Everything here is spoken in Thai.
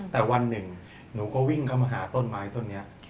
แต่วันหนึ่งหนูก็วิ่งเข้ามาหาต้นไม้ต้นนี้